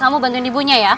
kamu bantuin ibunya ya